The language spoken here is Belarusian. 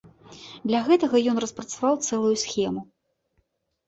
Для гэтага ён распрацаваў цэлую схему.